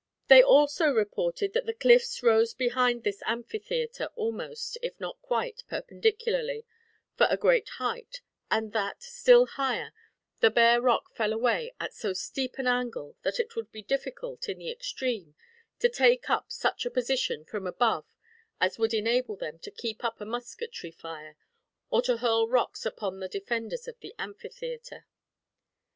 They also reported that the cliffs rose behind this amphitheater almost, if not quite perpendicularly for a great height; and that, still higher, the bare rock fell away at so steep an angle that it would be difficult, in the extreme, to take up such a position from above as would enable them to keep up a musquetry fire, or to hurl rocks upon the defenders of the amphitheater.